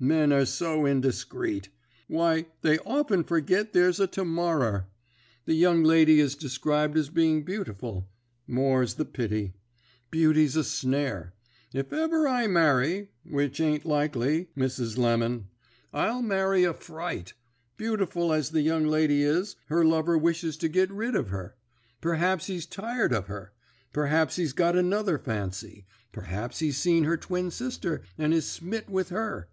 Men are so indiscreet! Why, they often forgit there's a to morrer. The young lady is described as being beautiful. More's the pity. Beauty's a snare. If ever I marry which ain't likely, Mrs. Lemon I'll marry a fright. Beautiful as the young lady is, her lover wishes to git rid of her. Perhaps he's tired of her; perhaps he's got another fancy; perhaps he's seen her twin sister, and is smit with her.